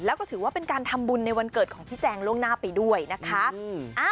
แล้วก็ถือว่าเป็นการทำบุญในวันเกิดของพี่แจงล่วงหน้าไปด้วยนะคะ